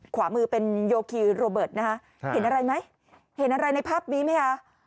ขวามือเป็นโยคีโรเบิร์ตนะคะเห็นอะไรไหมเห็นอะไรในภาพนี้ไหมคะ